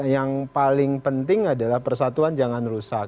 yang paling penting adalah persatuan jangan rusak